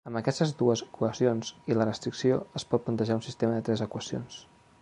Amb aquestes dues equacions i la restricció es pot plantejar un sistema de tres equacions.